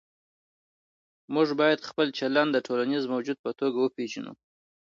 موږ باید خپل چلند د ټولنیز موجود په توګه وپېژنو.